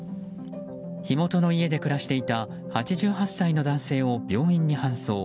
火元の家で暮らしていた８８歳の男性を病院に搬送。